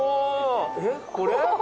えっこれ？